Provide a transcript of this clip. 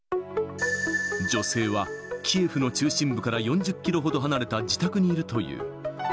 女性はキエフの中心部から４０キロほど離れた自宅にいるという。